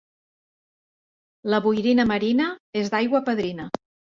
La boirina marina és d'aigua padrina.